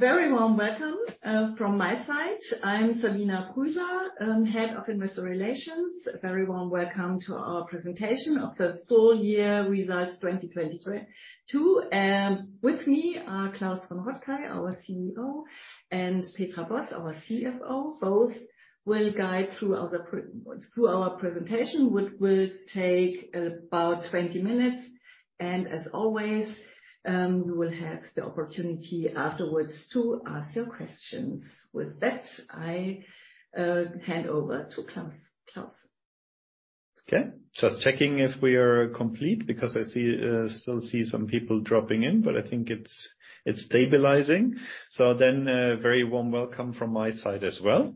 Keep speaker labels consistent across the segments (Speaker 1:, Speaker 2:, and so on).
Speaker 1: Very warm welcome from my side. I'm Sabina Prüser, Head of Investor Relations. A very warm welcome to our presentation of the full year results 2022. With me are Klaus von Rottkay, our CEO, and Petra Boss, our CFO. Both will guide through our presentation, which will take about 20 minutes. As always, we will have the opportunity afterwards to ask your questions. With that, I hand over to Klaus. Klaus.
Speaker 2: Okay. Just checking if we are complete, because I still see some people dropping in, but I think it's stabilizing. A very warm welcome from my side as well,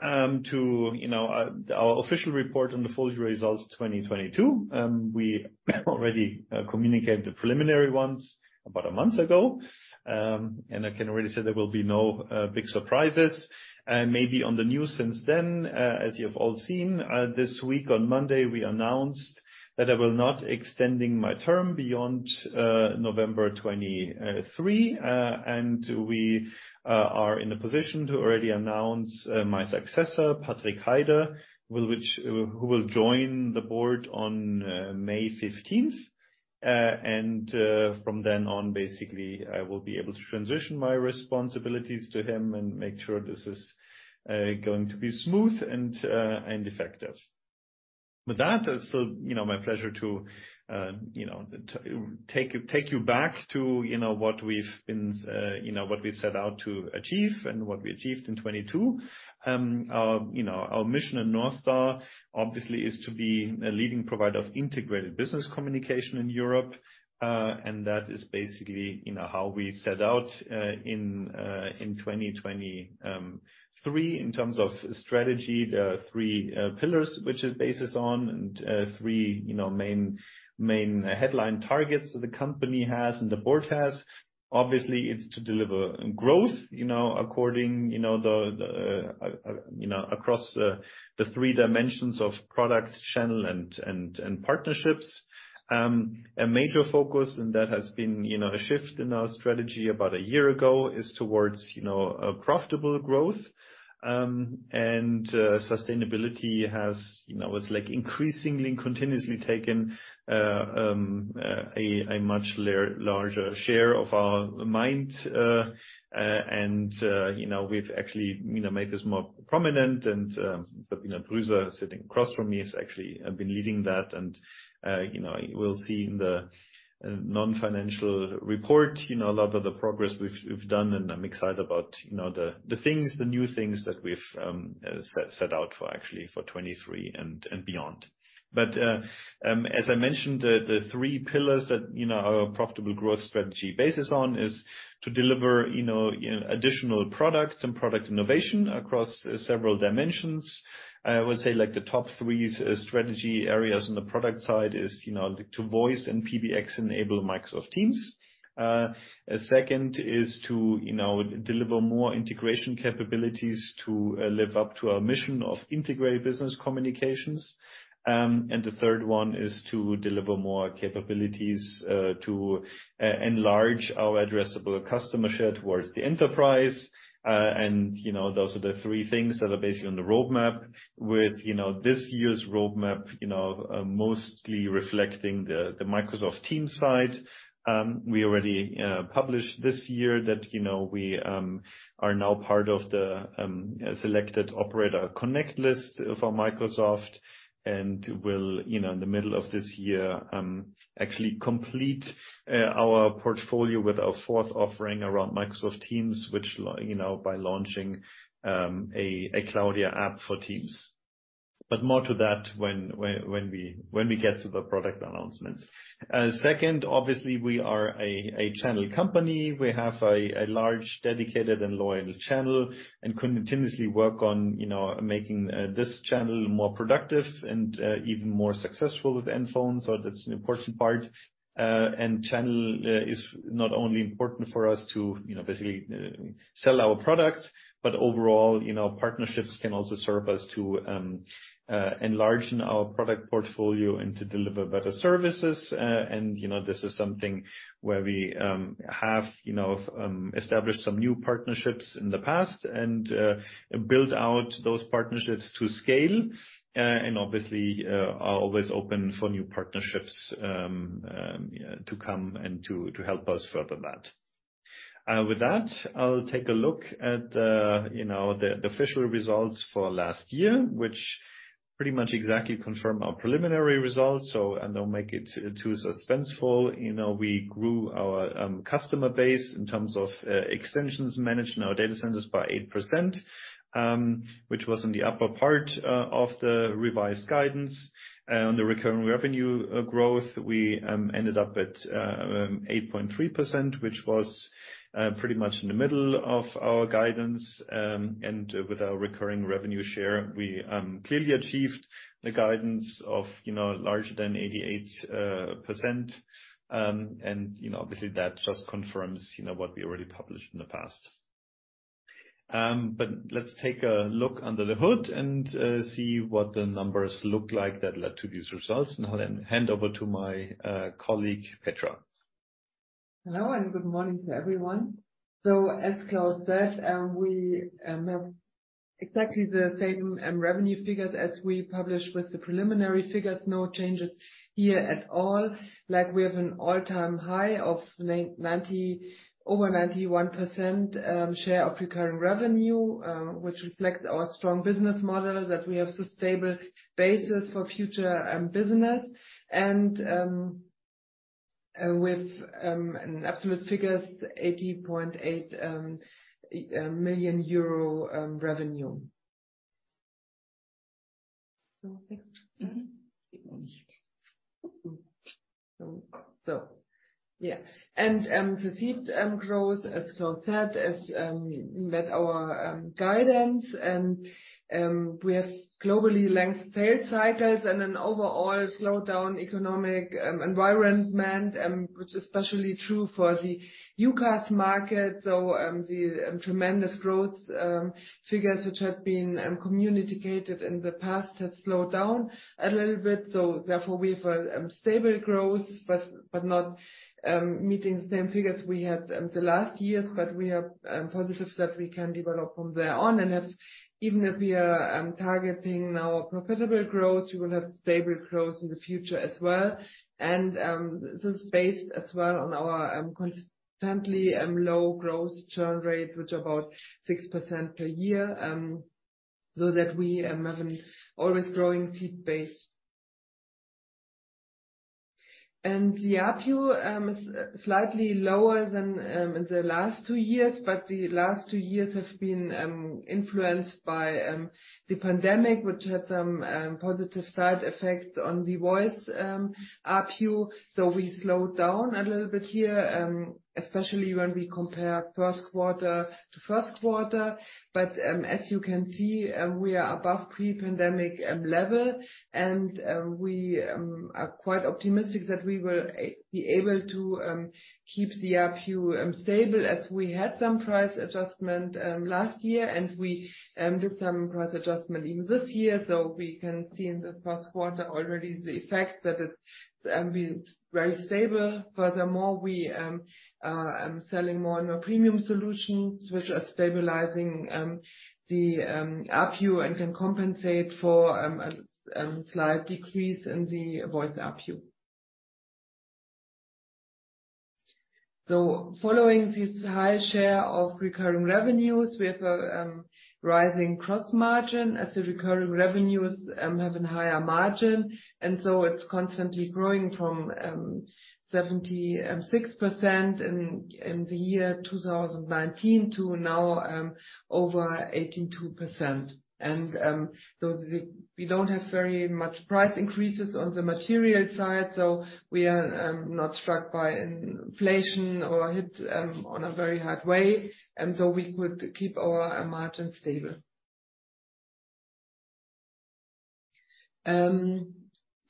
Speaker 2: to, you know, our official report on the full year results 2022. We already communicated the preliminary ones about a month ago. I can already say there will be no big surprises. Maybe on the news since then, as you have all seen, this week on Monday, we announced that I will not extending my term beyond November 2023. We are in a position to already announce my successor, Patrik Heider, who will join the board on May 15th. From then on, basically, I will be able to transition my responsibilities to him and make sure this is going to be smooth and effective. With that, it's still, you know, my pleasure to, you know, take you back to, you know, what we've been, you know, what we set out to achieve and what we achieved in 22. Our, you know, our mission at Northstar obviously is to be a leading provider of integrated business communication in Europe, that is basically, you know, how we set out in 2023. In terms of strategy, the three pillars which it bases on and three, you know, main headline targets the company has and the board has. Obviously it's to deliver growth, you know, according, you know, the, you know, across the three dimensions of products, channel and partnerships. A major focus, and that has been, you know, a shift in our strategy about a year ago, is towards, you know, profitable growth. Sustainability has, you know, it's like increasingly and continuously taken, a much larger share of our mind. And, you know, we've actually, you know, made this more prominent and, Sabina Prüser sitting across from me has actually, been leading that. You know, we'll see in the non-financial report, you know, a lot of the progress we've done, and I'm excited about, you know, the things, the new things that we've set out for actually for 23 and beyond. As I mentioned, the three pillars that, you know, our profitable growth strategy bases on is to deliver, you know, additional products and product innovation across several dimensions. I would say like the top three strategy areas on the product side is, you know, to voice and PBX-enable Microsoft Teams. Second is to, you know, deliver more integration capabilities to live up to our mission of integrated business communications. The third one is to deliver more capabilities to enlarge our addressable customer share towards the enterprise. You know, those are the three things that are basically on the roadmap with, you know, this year's roadmap, you know, mostly reflecting the Microsoft Teams side. We already published this year that, you know, we are now part of the Selected Operator Connect list for Microsoft and will, you know, in the middle of this year actually complete our portfolio with our fourth offering around Microsoft Teams, which, you know, by launching a Cloudya app for Teams. More to that when we get to the product announcements. Second, obviously we are a channel company. We have a large, dedicated and loyal channel and continuously work on, you know, making this channel more productive and even more successful with NFON. That's an important part. Channel is not only important for us to, you know, basically sell our products, but overall, you know, partnerships can also serve us to enlarge our product portfolio and to deliver better services. You know, this is something where we have, you know, established some new partnerships in the past and built out those partnerships to scale, obviously, are always open for new partnerships to come and to help us further that. With that, I'll take a look at the, you know, the official results for last year, which pretty much exactly confirm our preliminary results, so I don't make it too suspenseful. You know, we grew our customer base in terms of extensions managed in our data centers by 8%, which was in the upper part of the revised guidance. On the recurring revenue growth, we ended up at 8.3%, which was pretty much in the middle of our guidance. With our recurring revenue share, we clearly achieved the guidance of, you know, larger than 88%. You know, obviously that just confirms, you know, what we already published in the past.
Speaker 1: Let's take a look under the hood and see what the numbers look like that led to these results. I'll then hand over to my colleague, Petra.
Speaker 3: Hello, good morning to everyone. As Klaus said, we have exactly the same revenue figures as we published with the preliminary figures. No changes here at all. We have an all-time high of over 91% share of recurring revenue, which reflects our strong business model, that we have sustainable basis for future business. With an absolute figure, 80.8 million euro revenue. The seed growth, as Klaus said, is met our guidance and we have globally length sales cycles and an overall slowdown economic environment, which is especially true for the UCaaS market. The tremendous growth figures which had been communicated in the past has slowed down a little bit. Therefore, we have a stable growth, but not meeting the same figures we had the last years. We are positive that we can develop from there on. Even if we are targeting now profitable growth, we will have stable growth in the future as well. This is based as well on our constantly low growth churn rate, which about 6% per year, so that we have an always growing seed base. The ARPU is slightly lower than in the last two years, but the last two years have been influenced by the pandemic, which had some positive side effects on the voice ARPU. We slowed down a little bit here, especially when we compare first quarter to first quarter. As you can see, we are above pre-pandemic level. We are quite optimistic that we will be able to keep the ARPU stable as we had some price adjustment last year, and we did some price adjustment even this year. We can see in the first quarter already the effect that it is very stable. Furthermore, we selling more and more premium solutions, which are stabilizing the ARPU and can compensate for a slight decrease in the voice ARPU. Following this high share of recurring revenues, we have a rising cross margin as the recurring revenues have an higher margin. It's constantly growing from 76% in the year 2019 to now over 82%. We don't have very much price increases on the material side, so we are not struck by inflation or hit on a very hard way, so we could keep our margin stable.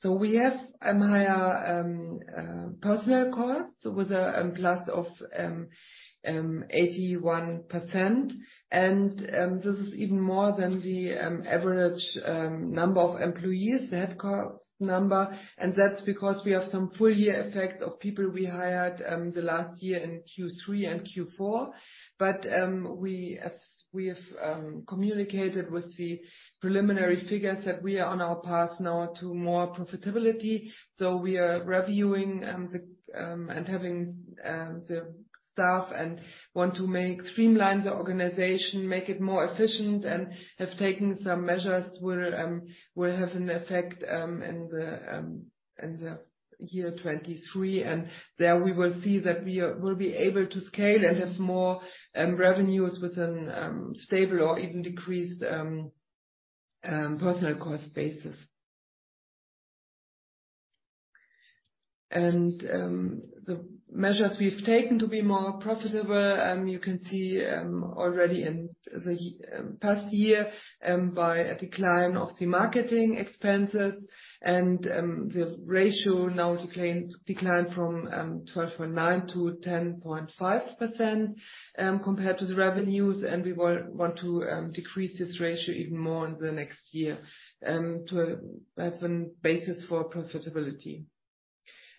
Speaker 3: We have higher personal costs with a plus of 81%. This is even more than the average number of employees, the headcount number. That's because we have some full year effect of people we hired the last year in Q3 and Q4. As we have communicated with the preliminary figures that we are on our path now to more profitability. We are reviewing the and having the staff and want to make streamline the organization, make it more efficient, and have taken some measures will will have an effect in the in the year 2023. There we will see that we will be able to scale and have more revenues within stable or even decreased personal cost basis. The measures we've taken to be more profitable, you can see already in the past year by a decline of the marketing expenses and the ratio now declined from 12.9 to 10.5% compared to the revenues. We want to decrease this ratio even more in the next year to have a basis for profitability.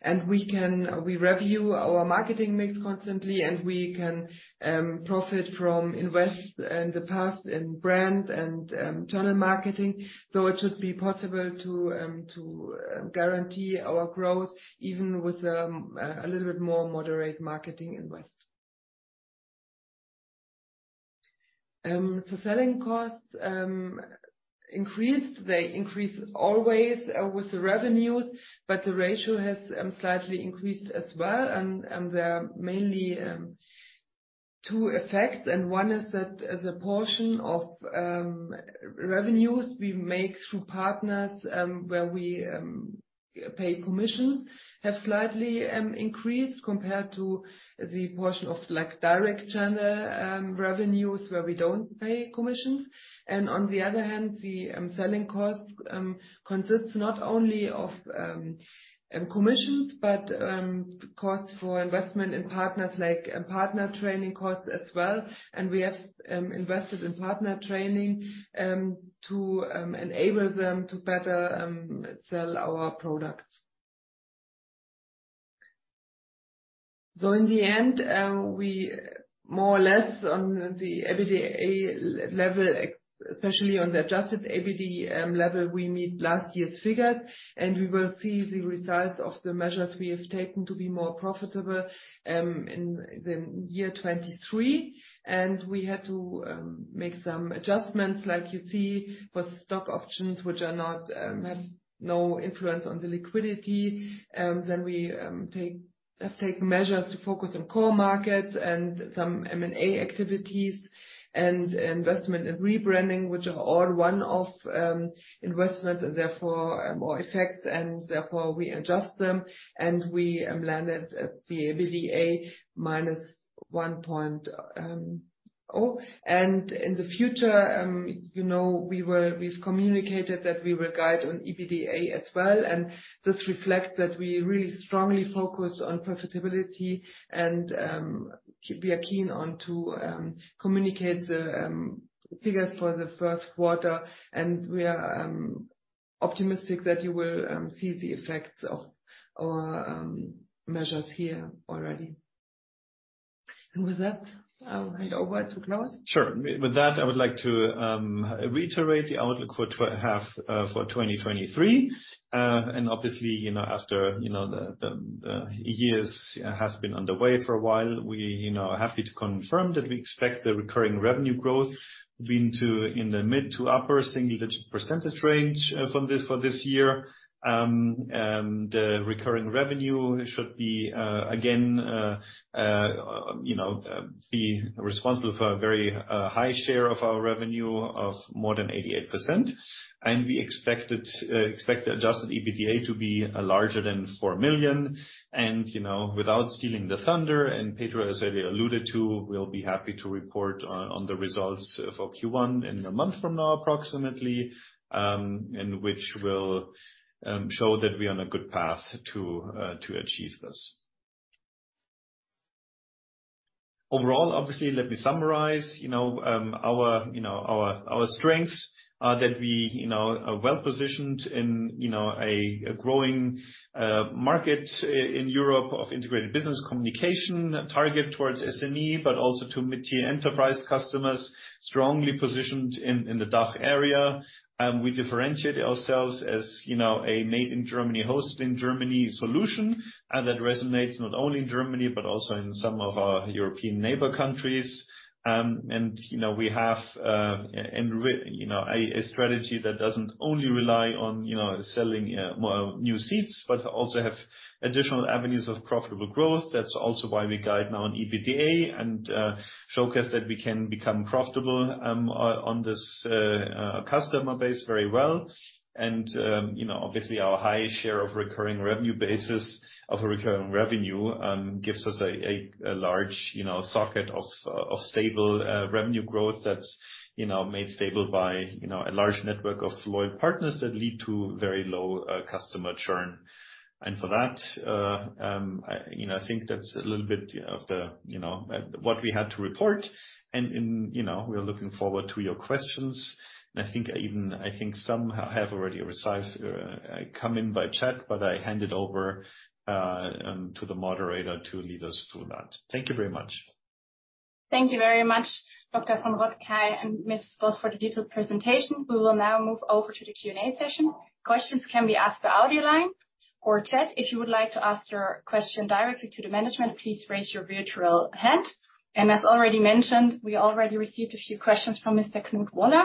Speaker 3: We review our marketing mix constantly, and we can profit from invest in the past in brand and channel marketing. It should be possible to guarantee our growth even with a little bit more moderate marketing invest. The selling costs increased. They increase always with the revenues, but the ratio has slightly increased as well. There are mainly two effects, and one is that as a portion of revenues we make through partners, where we pay commission have slightly increased compared to the portion of like direct channel revenues where we don't pay commissions. On the other hand, the selling costs consists not only of commissions, but costs for investment in partners like partner training costs as well. We have invested in partner training to enable them to better sell our products. In the end, we more or less on the EBITDA level, especially on the adjusted EBITDA level, we meet last year's figures, and we will see the results of the measures we have taken to be more profitable in the year 2023. We had to make some adjustments, like you see, for stock options, which are not have no influence on the liquidity. We have taken measures to focus on core markets and some M&A activities and investment in rebranding, which are all one-off investments and therefore more effects, and therefore we adjust them and we landed at the EBITDA minus 1.0. In the future, you know, we've communicated that we will guide on EBITDA as well, and this reflects that we really strongly focus on profitability and we are keen on to communicate the figures for the first quarter. We are optimistic that you will see the effects of our measures here already. With that, I'll hand over to Klaus.
Speaker 2: Sure. With that, I would like to reiterate the outlook for 2023. Obviously, you know, after, you know, the years has been underway for a while, we, you know, are happy to confirm that we expect the recurring revenue growth being to in the mid to upper single-digit % range from this, for this year. The recurring revenue should be again, you know, be responsible for a very high share of our revenue of more than 88%. We expect adjusted EBITDA to be larger than 4 million. You know, without stealing the thunder, and Petra has already alluded to, we'll be happy to report on the results for Q1 in a month from now, approximately, and which will show that we're on a good path to achieve this. Overall, obviously, let me summarize, you know, our strengths are that we, you know, are well-positioned in, you know, a growing market in Europe of integrated business communication targeted towards SME, but also to mid-tier enterprise customers, strongly positioned in the DACH area. We differentiate ourselves as, you know, a made in Germany, hosted in Germany solution that resonates not only in Germany but also in some of our European neighbor countries. you know, we have, you know, a strategy that doesn't only rely on, you know, selling new seats but also have additional avenues of profitable growth. That's also why we guide now on EBITDA and showcase that we can become profitable on this customer base very well. you know, obviously our high share of recurring revenue basis of a recurring revenue gives us a large, you know, socket of stable revenue growth that's, you know, made stable by, you know, a large network of loyal partners that lead to very low customer churn. For that, I, you know, I think that's a little bit of the, you know, what we had to report. you know, we are looking forward to your questions. I think even, I think some have already received, come in by chat, but I hand it over, to the moderator to lead us through that. Thank you very much.
Speaker 4: Thank you very much, Dr. von Rottkay and Ms. Boss for the detailed presentation. We will now move over to the Q&A session. Questions can be asked by audio line or chat. If you would like to ask your question directly to the management, please raise your virtual hand. As already mentioned, we already received a few questions from Mr. Knut Woller.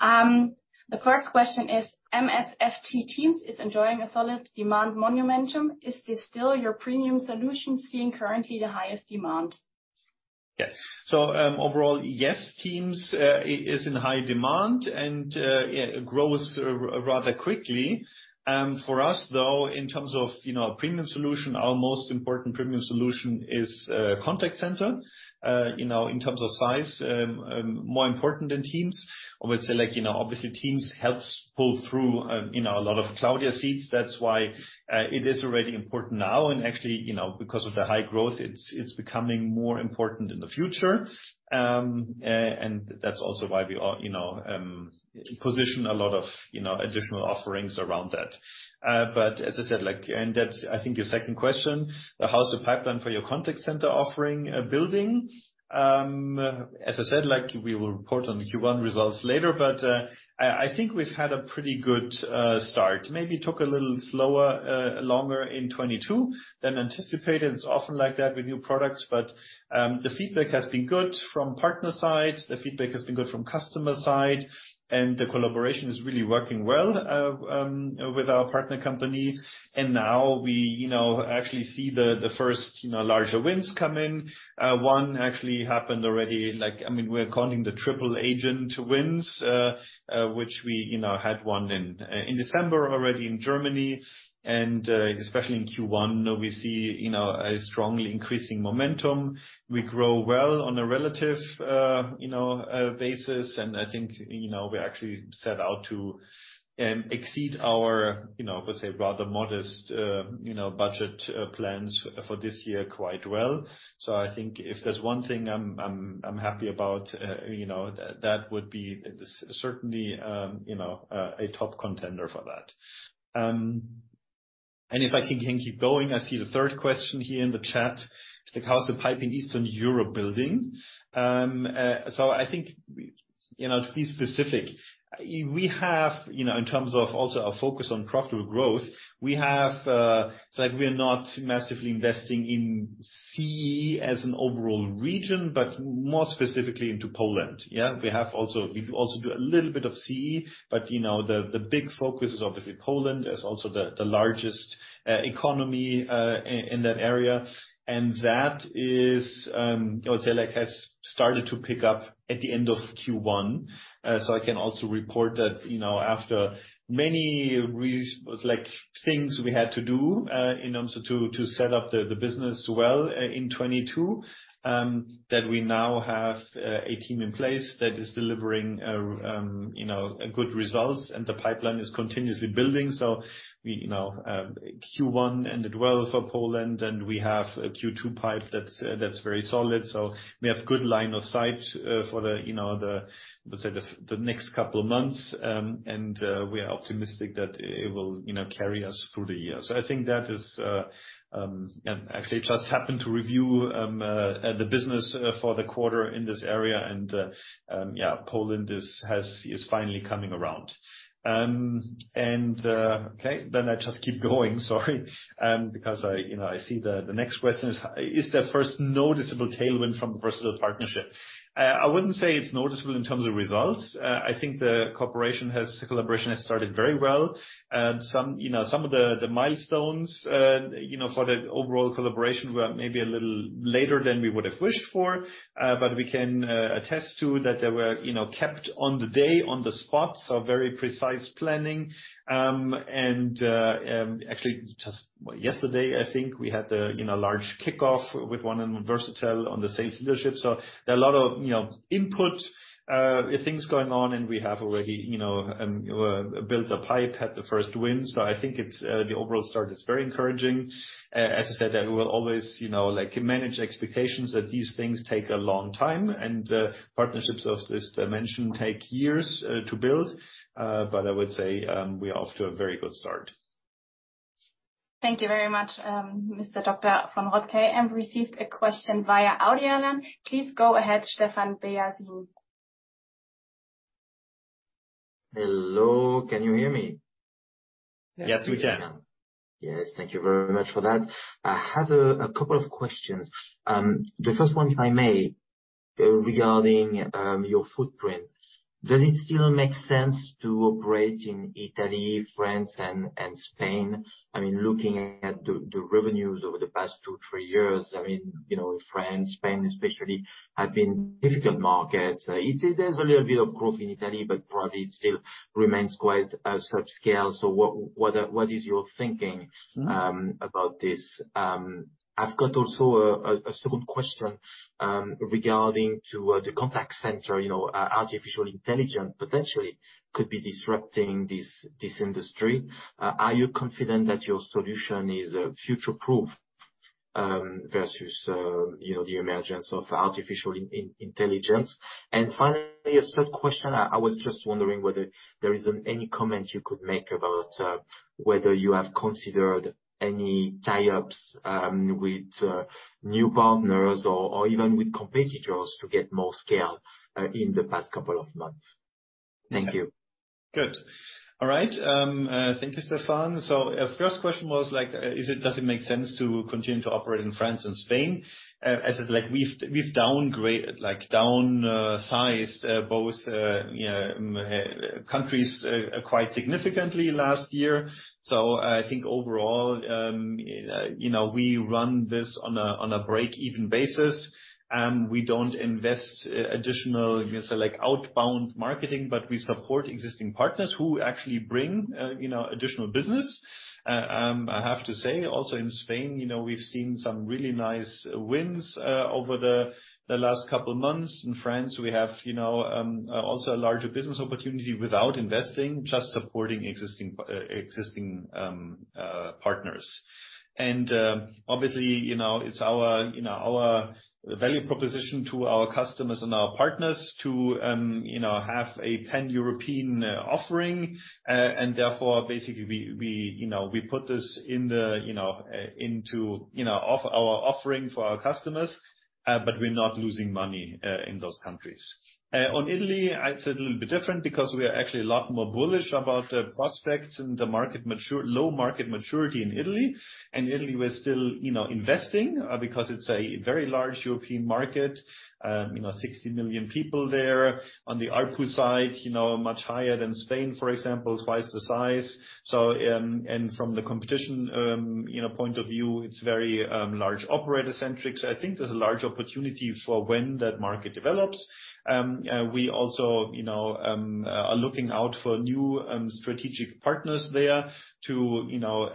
Speaker 4: The first question is MSFT Teams is enjoying a solid demand momentum. Is this still your premium solution seeing currently the highest demand?
Speaker 2: Yeah. Overall, yes, Teams is in high demand and it grows rather quickly. For us, though, in terms of, you know, premium solution, our most important premium solution is contact center. You know, in terms of size, more important than Teams. I would say like, you know, obviously Teams helps pull through, you know, a lot of Cloudya seats. That's why it is already important now, and actually, you know, because of the high growth, it's becoming more important in the future. And that's also why we are, you know, position a lot of, you know, additional offerings around that. As I said, like, and that's I think your second question, how's the pipeline for your contact center offering building? As I said, like, we will report on Q1 results later, I think we've had a pretty good start. Maybe took a little slower, longer in 2022 than anticipated. It's often like that with new products, but the feedback has been good from partner side, the feedback has been good from customer side. The collaboration is really working well with our partner company. Now we, you know, actually see the first, you know, larger wins come in. One actually happened already. Like, I mean, we're calling the triple agent wins, which we, you know, had one in December already in Germany. Especially in Q1, we see, you know, a strongly increasing momentum. We grow well on a relative, you know, basis. I think, you know, we actually set out to exceed our, you know, I would say, rather modest, you know, budget, plans for this year quite well. I think if there's one thing I'm, I'm happy about, you know, that would be certainly, you know, a top contender for that. If I can keep going. I see the third question here in the chat. How is the pipe in Eastern Europe building? I think, you know, to be specific, we have, you know, in terms of also our focus on profitable growth, we have... It's like we are not massively investing in CEE as an overall region, but more specifically into Poland, yeah. We also do a little bit of CEE, but you know, the big focus is obviously Poland. That's also the largest economy in that area. That is, I would say like, has started to pick up at the end of Q1. I can also report that, you know, after many like, things we had to do in order to set up the business well in 2022, that we now have a team in place that is delivering, you know, good results. The pipeline is continuously building. We, you know, Q1 ended well for Poland, and we have a Q2 pipe that's very solid. We have good line of sight for the, you know, the, let's say the next couple of months. And we are optimistic that it will, you know, carry us through the year. I think that is. Actually I just happened to review the business for the quarter in this area. Poland is finally coming around. I just keep going. Sorry. I, you know, I see the next question is: Is there first noticeable tailwind from the Versatel partnership? I wouldn't say it's noticeable in terms of results. I think the collaboration has started very well. Some, you know, some of the milestones, you know, for the overall collaboration were maybe a little later than we would have wished for, we can attest to that they were, you know, kept on the day, on the spot, so very precise planning. Actually just yesterday, I think, we had a, you know, large kickoff with one of Versatel on the sales leadership. There are a lot of, you know, input things going on, and we have already, you know, built a pipe, had the first win. I think it's the overall start is very encouraging. As I said, I will always, you know, like, manage expectations that these things take a long time, and partnerships of this dimension take years to build. I would say, we are off to a very good start.
Speaker 4: Thank you very much, Mr. Doctor von Rottkay. I've received a question via Slido. Please go ahead, Stefan Basi.
Speaker 5: Hello. Can you hear me?
Speaker 2: Yes, we can.
Speaker 5: Yes. Thank you very much for that. I have a couple of questions. The first one, if I may, regarding your footprint. Does it still make sense to operate in Italy, France and Spain? I mean, looking at the revenues over the past 2, 3 years, I mean, you know, France, Spain especially, have been difficult markets. There's a little bit of growth in Italy, but probably it still remains quite subscale. What is your thinking about this? I've got also a second question regarding to the contact center. You know, artificial intelligence potentially could be disrupting this industry. Are you confident that your solution is future proof versus, you know, the emergence of artificial intelligence? Finally, a third question. I was just wondering whether there is any comment you could make about whether you have considered any tie-ups with new partners or even with competitors to get more scale in the past couple of months. Thank you.
Speaker 2: Good. All right. Thank you, Stefan. First question was like, does it make sense to continue to operate in France and Spain? As I said, like we've downgrade, like downsized, both, you know, countries, quite significantly last year. I think overall, you know, we run this on a break-even basis. We don't invest additional, you know, say like outbound marketing, but we support existing partners who actually bring, you know, additional business. I have to say also in Spain, you know, we've seen some really nice wins, over the last couple of months. In France, we have, you know, also a larger business opportunity without investing, just supporting existing partners. Obviously, you know, it's our, you know, our value proposition to our customers and our partners to, you know, have a pan-European offering. Therefore, basically we, you know, we put this in the, you know, into, you know, our offering for our customers, but we're not losing money in those countries. On Italy, it's a little bit different because we are actually a lot more bullish about the prospects and the low market maturity in Italy. In Italy, we're still, you know, investing because it's a very large European market. You know, 60 million people there. On the ARPU side, you know, much higher than Spain, for example, twice the size. From the competition, you know, point of view, it's very large operator-centric. I think there's a large opportunity for when that market develops. We also, you know, are looking out for new strategic partners there to, you know,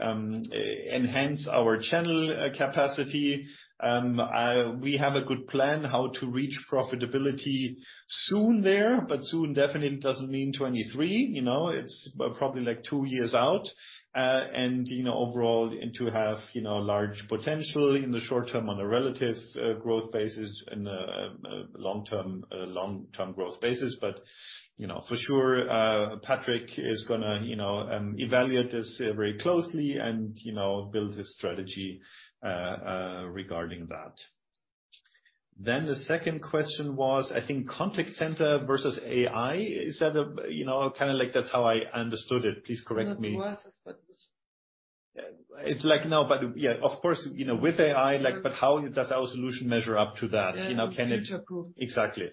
Speaker 2: enhance our channel capacity. We have a good plan how to reach profitability soon there, but soon definitely doesn't mean 2023, you know. It's probably, like, 2 years out. You know, overall, and to have, you know, large potential in the short term on a relative growth basis and long-term growth basis. You know, for sure, Patrik is gonna, you know, evaluate this very closely and, you know, build his strategy regarding that. The second question was, I think, contact center versus AI. Is that, you know, kinda like that's how I understood it. Please correct me.
Speaker 5: No, it was.
Speaker 2: It's like no. Yeah, of course, you know, with AI, like, how does our solution measure up to that? You know.
Speaker 5: Yeah. Room to improve.
Speaker 2: Exactly.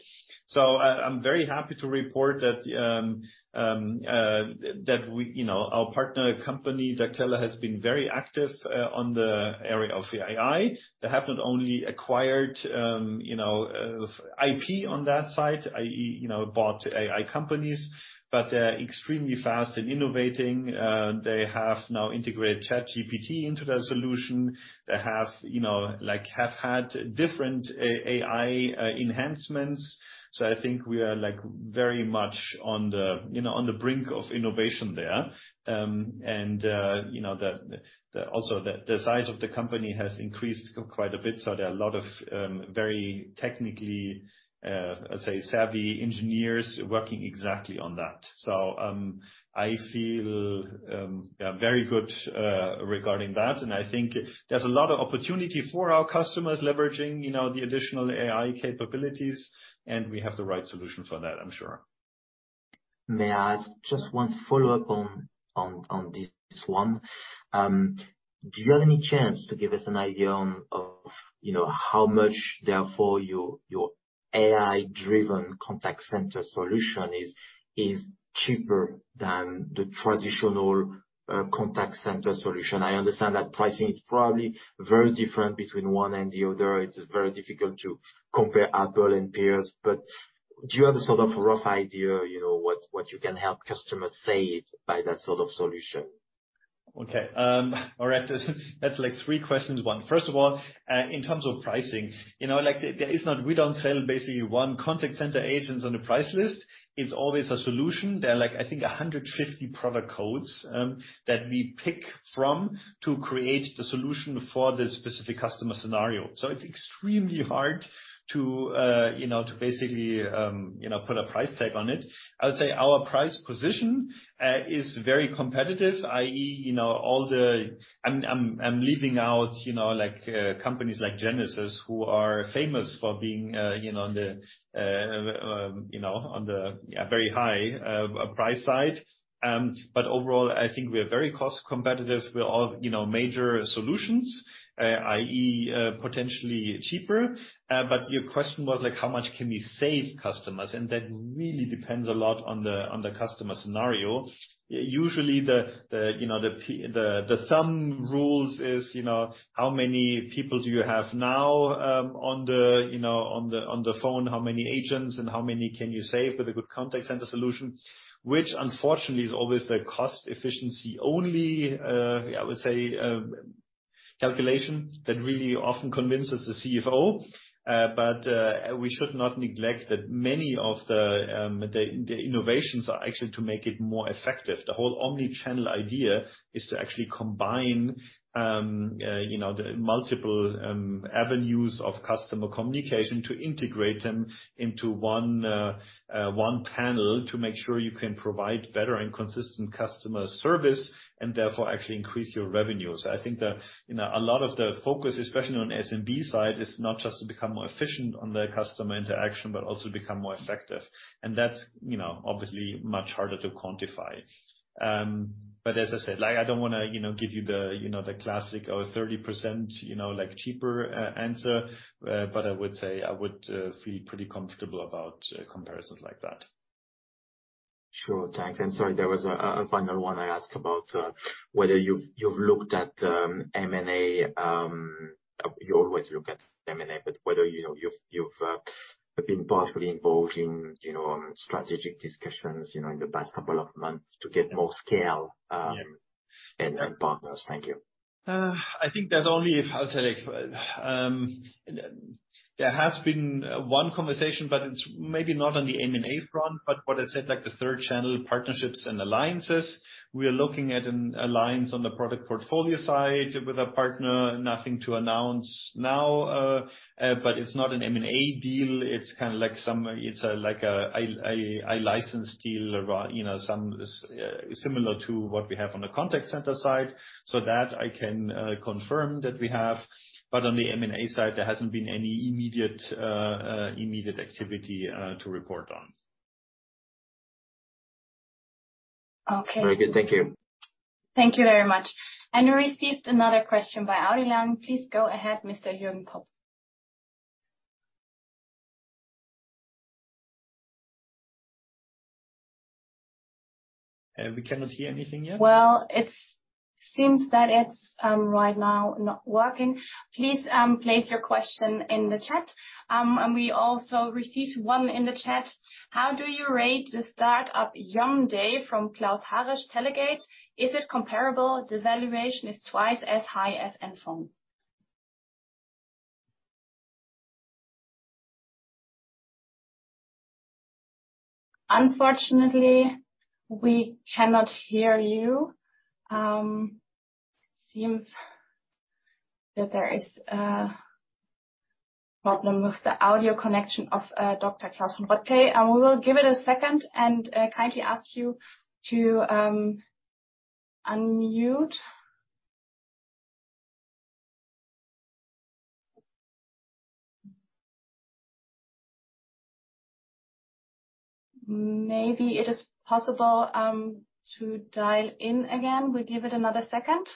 Speaker 2: I'm very happy to report that we, you know, our partner company, Daktela, has been very active on the area of AI. They have not only acquired, you know, IP on that side, i.e., you know, bought AI companies, but they're extremely fast at innovating. They have now integrated ChatGPT into their solution. They have, you know, like, have had different AI enhancements. I think we are, like, very much on the, you know, on the brink of innovation there. You know, also the size of the company has increased quite a bit, so there are a lot of very technically, say, savvy engineers working exactly on that. I feel, yeah, very good regarding that. I think there's a lot of opportunity for our customers leveraging, you know, the additional AI capabilities. We have the right solution for that, I'm sure.
Speaker 5: May I ask just one follow-up on this one? Do you have any chance to give us an idea of, you know, how much, therefore, your AI-driven contact center solution is cheaper than the traditional contact center solution? I understand that pricing is probably very different between one and the other. It's very difficult to compare apple and pears. Do you have a sort of rough idea, you know, what you can help customers save by that sort of solution?
Speaker 2: Okay. All right. That's like 3 questions in one. First of all, in terms of pricing, you know, like We don't sell basically one contact center agent on the price list. It's always a solution. There are like, I think 150 product codes, that we pick from to create the solution for the specific customer scenario. It's extremely hard to, you know, to basically, you know, put a price tag on it. I would say our price position is very competitive, i.e., you know, I'm leaving out, you know, like companies like Genesys who are famous for being, you know, on the, you know, on the very high price side. Overall, I think we are very cost competitive with all, you know, major solutions, i.e., potentially cheaper. Your question was like, how much can we save customers? That really depends a lot on the, on the customer scenario. Usually, the, you know, the thumb rules is, you know, how many people do you have now, on the, you know, on the, on the phone? How many agents and how many can you save with a good contact center solution? Which unfortunately is always the cost efficiency only, I would say, calculation that really often convinces the CFO. We should not neglect that many of the innovations are actually to make it more effective. The whole omni-channel idea is to actually combine, you know, the multiple avenues of customer communication to integrate them into one panel to make sure you can provide better and consistent customer service and therefore actually increase your revenues. I think the, you know, a lot of the focus, especially on SMB side, is not just to become more efficient on the customer interaction but also become more effective. That's, you know, obviously much harder to quantify. As I said, like, I don't wanna, you know, give you the, you know, the classic, oh, 30%, you know, like cheaper answer. I would say I would feel pretty comfortable about comparisons like that.
Speaker 5: Sure. Thanks. Sorry, there was a final one I asked about, whether you've looked at M&A. You always look at M&A, but whether, you know, you've been partly involved in, you know, strategic discussions, you know, in the past couple of months to get more scale?
Speaker 2: Yeah.
Speaker 5: Partners. Thank you.
Speaker 2: I think there's only, I'll say like, there has been one conversation, but it's maybe not on the M&A front, but what I said, like the third channel partnerships and alliances. We are looking at an alliance on the product portfolio side with a partner. Nothing to announce now, but it's not an M&A deal. It's kinda like it's like a license deal, you know, similar to what we have on the contact center side. That I can confirm that we have, but on the M&A side, there hasn't been any immediate activity to report on.
Speaker 4: Okay.
Speaker 5: Very good. Thank you.
Speaker 4: Thank you very much. We received another question by audio line. Please go ahead, Mr. Jürgen Popp.
Speaker 2: We cannot hear anything yet?
Speaker 4: It seems that it's right now not working. Please place your question in the chat. We also received one in the chat. How do you rate the startup Yaando from Klaus Haerisch Telegate? Is it comparable? The valuation is twice as high as NFON. Unfortunately, we cannot hear you. Seems that there is a problem with the audio connection of Dr. Klaus. We will give it a second and kindly ask you to unmute. Maybe it is possible to dial in again. We give it another second.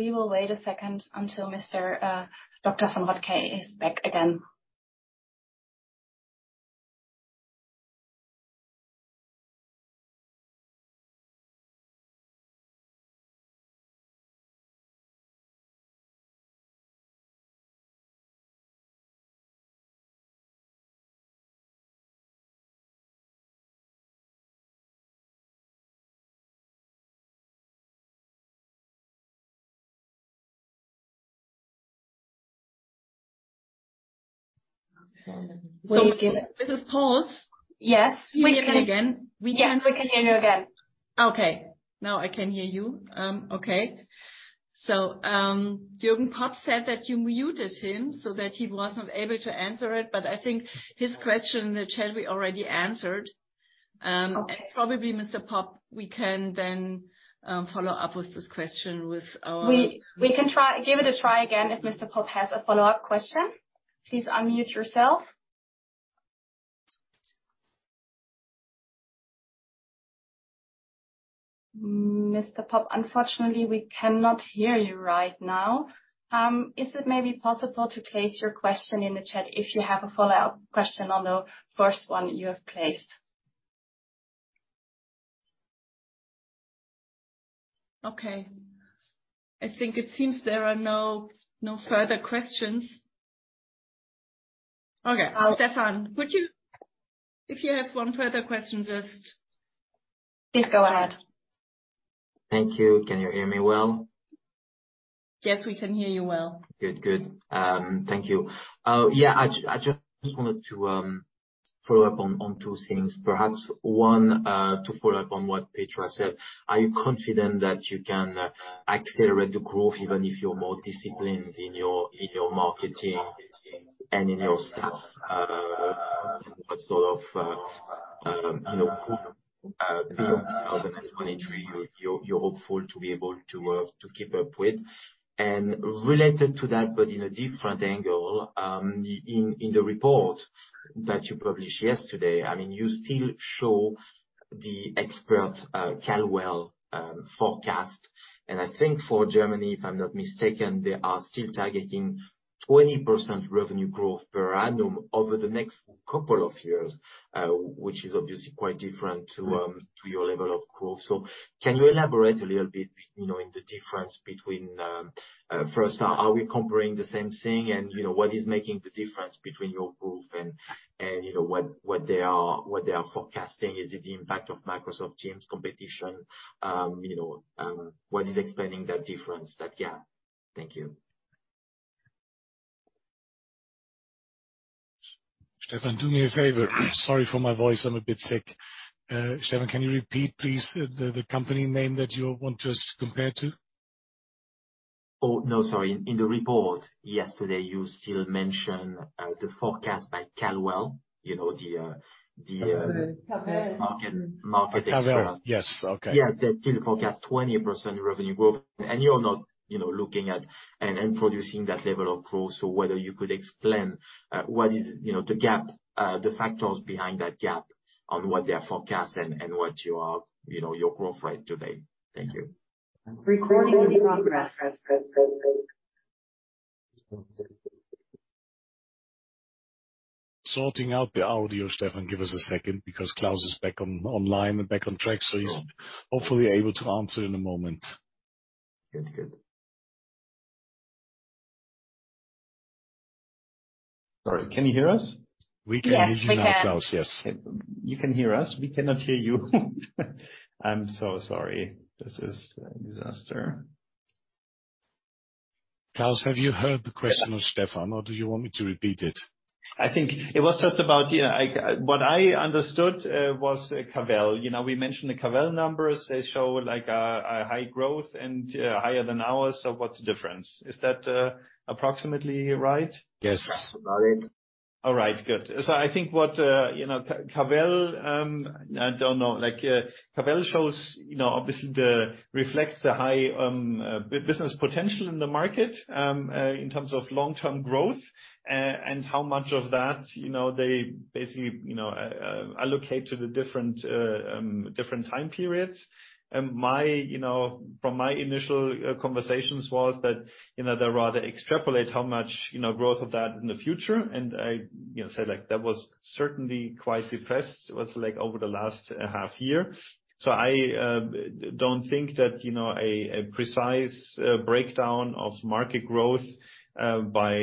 Speaker 4: We will wait a second until Mr. Dr. von Rottkay is back again.
Speaker 1: This is pause.
Speaker 4: Yes. We can-
Speaker 1: Hear me again?
Speaker 4: Yes, we can hear you again.
Speaker 1: Okay. Now I can hear you. Okay. Jürgen Popp said that you muted him so that he was not able to answer it, but I think his question in the chat we already answered.
Speaker 4: Okay.
Speaker 1: Probably Mr. Popp, we can then, follow up with this question.
Speaker 4: We can try. Give it a try again, if Mr. Popp has a follow-up question. Please unmute yourself. Mr. Popp, unfortunately, we cannot hear you right now. Is it maybe, possible to place your question in the chat if you have a follow-up question on the first one you have placed?
Speaker 1: Okay. I think it seems there are no further questions. Okay. Stefan, If you have one further question.
Speaker 4: Please go ahead.
Speaker 5: Thank you. Can you hear me well?
Speaker 1: Yes, we can hear you well.
Speaker 5: Good. Good. Thank you. Yeah. I just wanted to follow up on two things. Perhaps one, to follow up on what Petra said. Are you confident that you can accelerate the growth even if you're more disciplined in your marketing and in your staff? What sort of, you know, you're hopeful to be able to keep up with. Related to that, but in a different angle, in the report that you published yesterday, I mean, you still show the expert, Cavell, forecast. I think for Germany, if I'm not mistaken, they are still targeting 20% revenue growth per annum over the next couple of years, which is obviously quite different to your level of growth. Can you elaborate a little bit, you know, in the difference between, first, are we comparing the same thing? You know, what is making the difference between your growth and, you know, what they are forecasting? Is it the impact of Microsoft Teams competition? You know, what is explaining that difference, that gap? Thank you.
Speaker 2: Stephan, do me a favor. Sorry for my voice. I'm a bit sick. Stephan, can you repeat, please, the company name that you want to compare to?
Speaker 5: Oh, no, sorry. In the report yesterday, you still mentioned the forecast by Calwell, you know.
Speaker 1: Calvert.
Speaker 5: Market expert.
Speaker 2: Cavell. Yes. Okay.
Speaker 5: Yes. They still forecast 20% revenue growth. You're not, you know, looking at and producing that level of growth. Whether you could explain what is, you know, the gap, the factors behind that gap on what they are forecasting and what you are, you know, your growth rate today? Thank you.
Speaker 4: Recording in progress.
Speaker 2: Sorting out the audio, Stefan. Give us a second because Klaus is back online and back on track, so he's hopefully able to answer in a moment.
Speaker 5: Good. Good.
Speaker 2: Sorry, can you hear us?
Speaker 3: We can hear you now, Klaus, yes.
Speaker 2: You can hear us? We cannot hear you. I'm so sorry. This is a disaster.
Speaker 3: Klaus, have you heard the question of Stefan Basi or do you want me to repeat it?
Speaker 2: I think it was just about, you know, what I understood was Cavell. You know, we mentioned the Cavell numbers. They show like a high growth and higher than ours. What's the difference? Is that approximately right?
Speaker 3: Yes.
Speaker 5: Got it.
Speaker 2: All right, good. I think what, you know, Cavell, I don't know, like, Cavell shows, you know, obviously reflects the high business potential in the market, in terms of long-term growth. How much of that, you know, they basically, you know, allocate to the different different time periods. My, you know, from my initial conversations was that, you know, they rather extrapolate how much, you know, growth of that in the future. I, you know, said like that was certainly quite depressed, was like over the last half year. I don't think that, you know, a precise breakdown of market growth by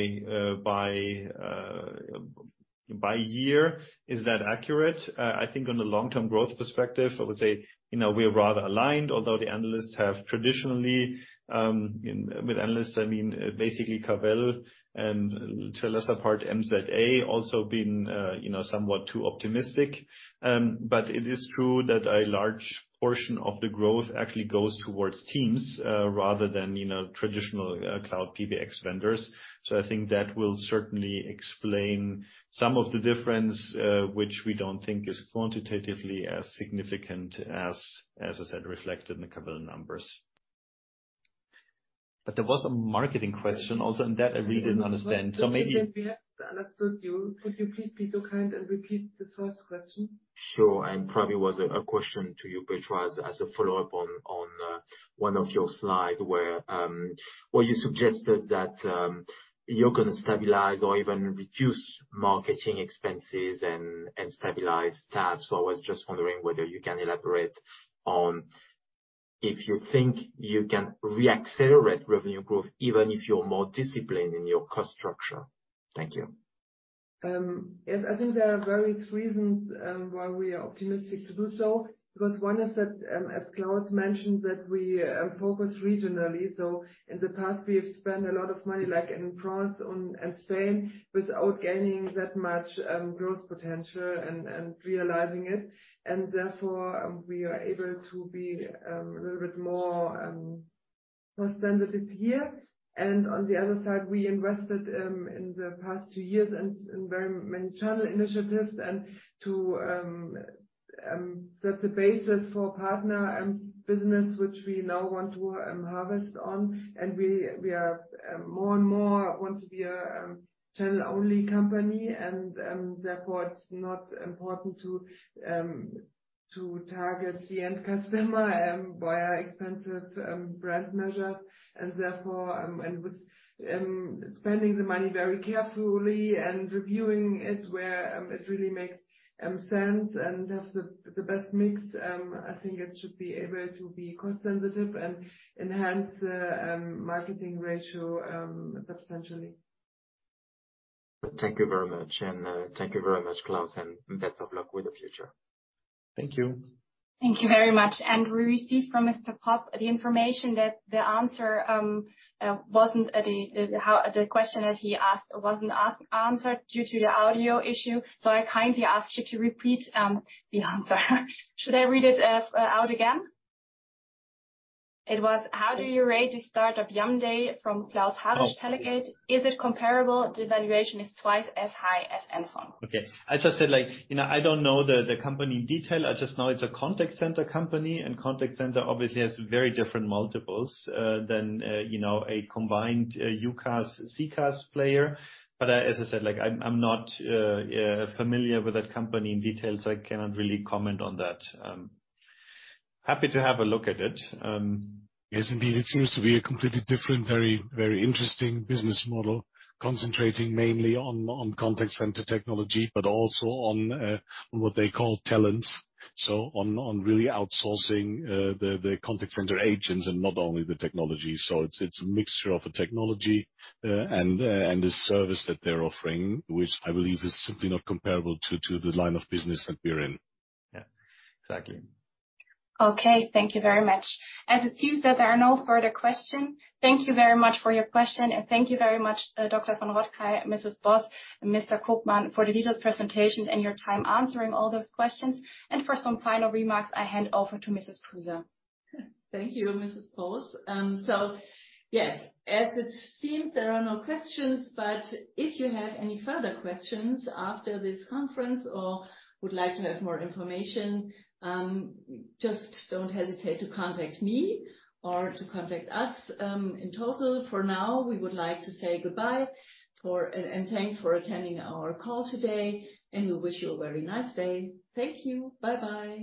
Speaker 2: year is that accurate. I think on the long term growth perspective, I would say, you know, we are rather aligned. Although the analysts have traditionally, with analysts, I mean basically Cavell and to a lesser part, MZA also been, you know, somewhat too optimistic. It is true that a large portion of the growth actually goes towards Teams, rather than, you know, traditional cloud PBX vendors. I think that will certainly explain some of the difference, which we don't think is quantitatively as significant as I said, reflected in the Cavell numbers. There was a marketing question also, and that I really didn't understand.
Speaker 3: We haven't understood you. Could you please be so kind and repeat the first question?
Speaker 5: Sure. Probably was a question to you, Petra, as a follow-up on one of your slides where you suggested that, you're gonna stabilize or even reduce marketing expenses and stabilize tabs. I was just wondering whether you can elaborate on if you think you can re-accelerate revenue growth, even if you're more disciplined in your cost structure. Thank you.
Speaker 3: Yes, I think there are various reasons why we are optimistic to do so. One is that, as Klaus mentioned, that we focus regionally. In the past we have spent a lot of money, like in France and Spain, without gaining that much growth potential and realizing it. Therefore we are able to be a little bit more cost sensitive here. On the other side, we invested in the past 2 years in very many channel initiatives and to set the basis for partner and business, which we now want to harvest on. We are more and more want to be a channel only company. Therefore it's not important to target the end customer via expensive brand measures. and with spending the money very carefully and reviewing it where it really makes sense and has the best mix, I think it should be able to be cost sensitive and enhance the marketing ratio substantially.
Speaker 5: Thank you very much, Klaus, and best of luck with the future.
Speaker 2: Thank you.
Speaker 4: Thank you very much. We received from Mr. Popp the information that the answer, how the question that he asked wasn't answered due to the audio issue. I kindly ask you to repeat the answer. Should I read it out again? It was, how do you rate the startup Yaando from Klaus-?
Speaker 2: Oh.
Speaker 4: Harresch, Telegate? Is it comparable? The valuation is twice as high as NFON
Speaker 2: Okay. As I said, like, you know, I don't know the company in detail. I just know it's a contact center company, and contact center obviously has very different multiples, than, you know, a combined, UCaaS, CCaaS player. As I said, like I'm not, familiar with that company in detail, so I cannot really comment on that. I'm happy to have a look at it.
Speaker 3: Yes, indeed. It seems to be a completely different, very, very interesting business model. Concentrating mainly on contact center technology, but also on what they call talents. On really outsourcing, the contact center agents and not only the technology. It's a mixture of a technology, and the service that they're offering, which I believe is simply not comparable to the line of business that we're in.
Speaker 2: Yeah, exactly.
Speaker 4: Okay. Thank you very much. As it seems that there are no further question, thank you very much for your question, and thank you very much, Dr. von Rottkay, Mrs. Boss, and Mr. Koopmann for the detailed presentation and your time answering all those questions. For some final remarks, I hand over to Mrs. Prüser.
Speaker 1: Thank you, Mrs. Boss. Yes, as it seems, there are no questions. If you have any further questions after this conference or would like to have more information, just don't hesitate to contact me or to contact us, in total. For now, we would like to say goodbye and thanks for attending our call today, and we wish you a very nice day. Thank you. Bye bye.